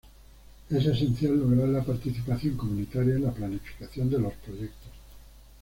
Es esencial lograr la participación comunitaria en la planificación de los proyectos.